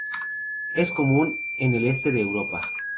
Es común en el Este de Europa.